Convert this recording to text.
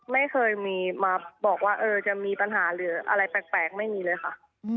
ไม่เคยมีมาบอกว่าจะมีปัญหาหรืออะไรแปลกไม่มีเลยค่ะ